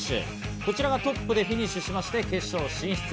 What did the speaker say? こちらがトップでフィニッシュしまして決勝進出。